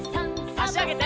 あしあげて。